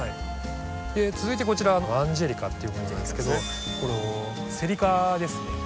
続いてこちらアンジェリカっていうものなんですけどセリ科ですね。